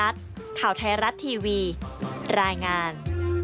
เส้นหิวร้ายงาน